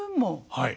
はい。